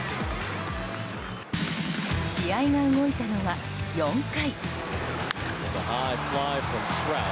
試合が動いたのは４回。